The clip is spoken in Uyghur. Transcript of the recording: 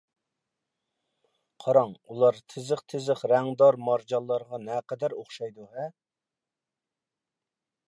قاراڭ، ئۇلار تىزىق-تىزىق رەڭدار مارجانلارغا نەقەدەر ئوخشايدۇ-ھە!